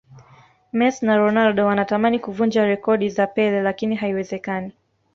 mess na ronaldo wanatamani kuvunja rekodi za pele lakini haiwezekani